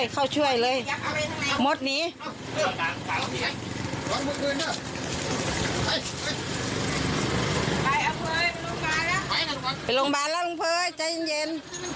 ไปลงบ้านล่ะลุงเฟย์ใจเย็น